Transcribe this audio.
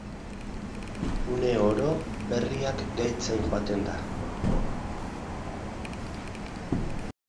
Une oro berriak gehitzen joaten da.